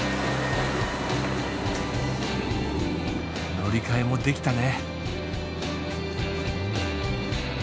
乗り換えもできたね！